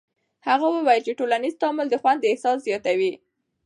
هغه وویل چې ټولنیز تعامل د خوند احساس زیاتوي.